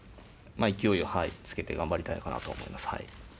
勢いをつけて頑張りたいかなとは思います。